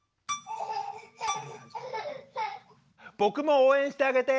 僕も応援してあげて。